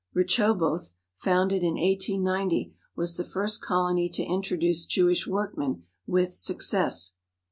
Rechoboth, founded in 1890, was the first colony to in troduce Jewish workmen with success.